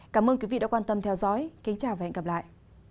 cảm ơn quý vị đã quan tâm theo dõi kính chào và hẹn gặp lại